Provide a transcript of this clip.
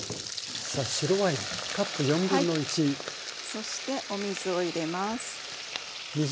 そしてお水を入れます。